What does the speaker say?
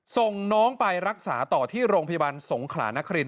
ส่งน้องไปรักษาต่อที่โรงพยาบาลสงขลานคริน